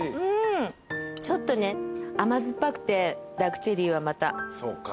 うんちょっとね甘酸っぱくてダークチェリーはまた。